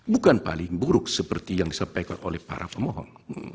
bukan paling buruk seperti yang disampaikan oleh para pemohon